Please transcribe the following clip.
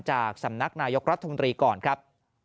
จากสำนักนายกรัฐมนตรีก่อนครับ